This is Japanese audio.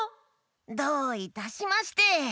どういたしまして。